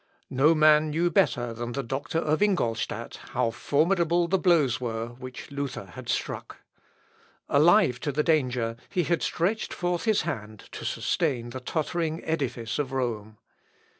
No man knew better than the doctor of Ingolstadt how formidable the blows were which Luther had struck. Alive to the danger he had stretched forth his hand to sustain the tottering edifice of Rome.